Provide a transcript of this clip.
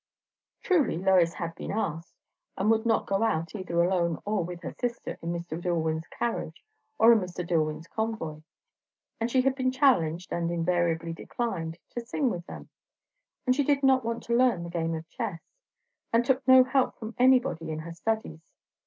Truly Lois had been asked, and would not go out either alone or with her sister in Mr. Dillwyn's carriage or in Mr. Dillwyn's convoy. And she had been challenged, and invariably declined, to sing with them; and she did not want to learn the game of chess, and took no help from anybody in her studies.